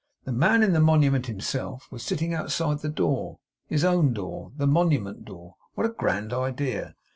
The Man in the Monument, himself, was sitting outside the door his own door: the Monument door: what a grand idea!